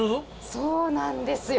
そうなんですよ。